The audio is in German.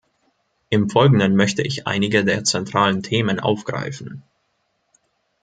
Im Folgenden möchte ich einige der zentralen Themen aufgreifen.